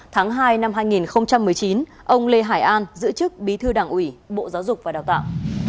tháng hai năm hai nghìn một mươi chín ông lê hải an giữ chức bí thư đảng ủy bộ giáo dục và đào tạo